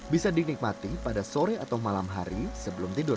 bisa dinikmati pada sore atau malam hari sebelum tidur